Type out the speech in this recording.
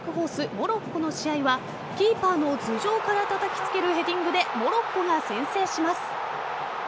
モロッコの試合はキーパーの頭上からたたきつけるヘディングでモロッコが先制します。